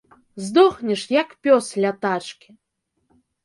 Здохнеш, як пёс, ля тачкі!